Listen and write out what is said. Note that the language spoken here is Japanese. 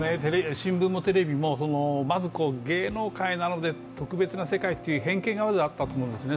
新聞もテレビも、まず芸能界なので特別な世界という偏見がまずあったんだと思いますね。